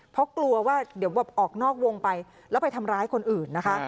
เพราะกลัวว่าเดี๋ยวแบบออกนอกวงไปแล้วไปทำร้ายคนอื่นนะคะ